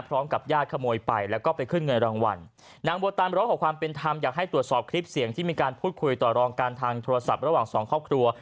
พร้อมกับญาติขโมยไปแล้วก็ไปขึ้นเงินรางวัลนางบัวตันร้องขอความเป็นธรรมอยากให้ตรวจสอบคลิปเสียงที่มีการพูดคุยต่อรองกันทางโทรศัพท์ระหว่างสองครอบครัว